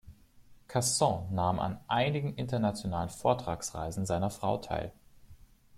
Casson nahm an einigen internationalen Vortragsreisen seiner Frau teil.